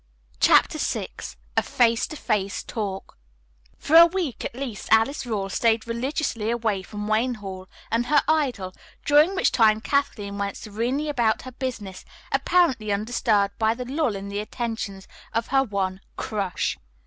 CHAPTER VI A FACE TO FACE TALK For a week at least Alice Rawle stayed religiously away from Wayne Hall and her idol, during which time Kathleen went serenely about her business, apparently undisturbed by the lull in the attentions of her one "crush."